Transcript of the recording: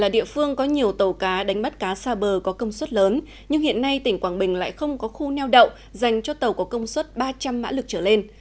địa phương có nhiều tàu cá đánh bắt cá xa bờ có công suất lớn nhưng hiện nay tỉnh quảng bình lại không có khu neo đậu dành cho tàu có công suất ba trăm linh mã lực trở lên